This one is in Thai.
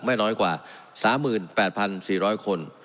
ไม่น้อยกว่า๓๘๔๐๐คน